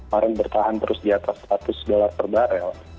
barang bertahan terus di atas status dolar per barel